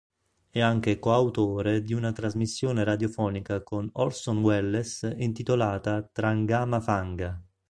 È anche coautore di una trasmissione radiofonica con Orson Welles intitolata "Trangama-Fanga".